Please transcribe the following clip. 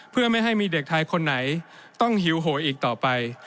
เพื่อไม่ให้มีเด็กไทยคนไหนต้องหิวโหยอีกต่อไป